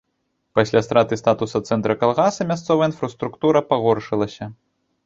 Пасля страты статусу цэнтра калгаса мясцовая інфраструктура пагоршылася.